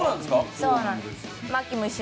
そうなんです。